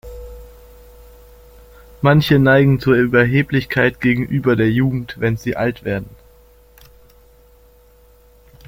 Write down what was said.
Manche neigen zu Überheblichkeit gegenüber der Jugend, wenn sie alt werden.